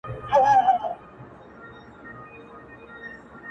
راته را ياده ستا خندا ده او شپه هم يخه ده,